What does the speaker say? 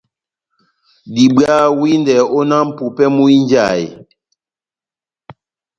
Diwaha windɛ ó náh mʼpupɛ múhínjahe.